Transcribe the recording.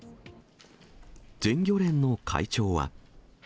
全漁連の会長は。